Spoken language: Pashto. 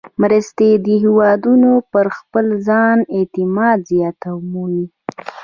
مرستې د هېوادونو پر خپل ځان اعتماد زیانمنوي.